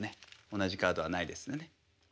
同じカードはないですよねはい。